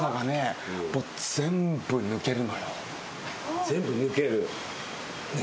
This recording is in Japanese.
全部抜ける？